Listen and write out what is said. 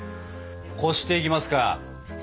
こしていきますか。